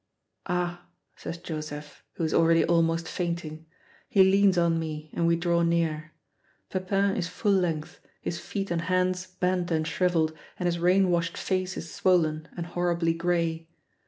"Ah!" says Joseph, who is already almost fainting. He leans on me and we draw near. Pepin is full length, his feet and hands bent and shriveled, and his rain washed face is swollen and horribly gray.